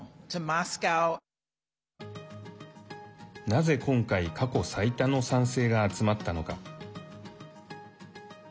なぜ今回過去最多の賛成が集まったのか。